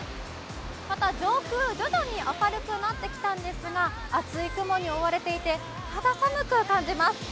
また上空、徐々に明るくなってきたんですが、厚い雲に覆われていて肌寒く感じます。